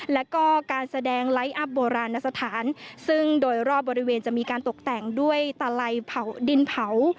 แล้วก็การแสดงไลท์อัพโบราณสถานซึ่งโดยรอบบริเวณจะมีการตกแต่งด้วยตะไลเผาดินเผา